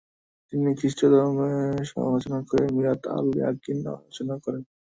তিনি খ্রিস্টধর্মের সমালোচনা করে মিরাত আল-ইয়াকিন রচনা করেন।